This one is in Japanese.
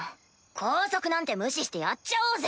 校則なんて無視してやっちゃおうぜ。